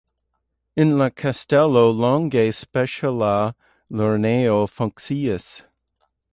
En la kastelo longe speciala lernejo funkciis.